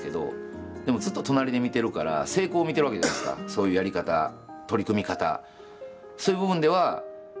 そういうやり方、取り組み方